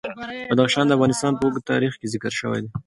بدخشان د افغانستان په اوږده تاریخ کې ذکر شوی دی.